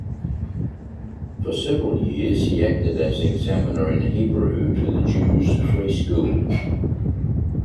For several years, he acted as examiner in Hebrew to the Jews' Free School.